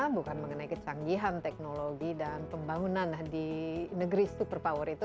bukan mengenai kecanggihan teknologi dan pembangunan di negeri super power itu